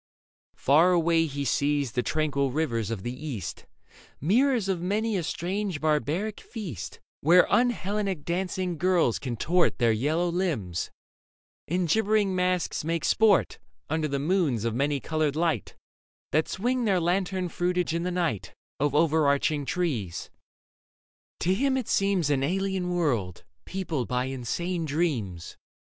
Far away He sees the tranquil rivers of the East, Mirrors of many a strange barbaric feast, Where un Hellenic dancing girls contort Their yellow limbs, and gibbering masks make sport Under the moons of many coloured light That swing their lantern fruitage in the night Of overarching trees. To him it seems An alien world, peopled by insane dreams.